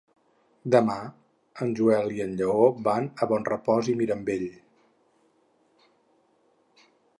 Demà en Joel i en Lleó van a Bonrepòs i Mirambell.